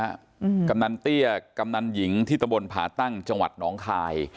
อืมกำนันเตี้ยกำนันหญิงที่ตำบลผาตั้งจังหวัดหนองคาย